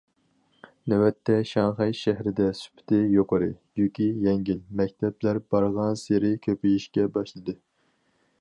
نۆۋەتتە، شاڭخەي شەھىرىدە« سۈپىتى يۇقىرى، يۈكى يەڭگىل» مەكتەپلەر بارغانسېرى كۆپىيىشكە باشلىدى.